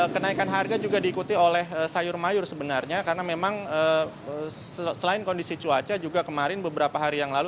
kenaikan harga juga diikuti oleh sayur mayur sebenarnya karena memang selain kondisi cuaca juga kemarin beberapa hari yang lalu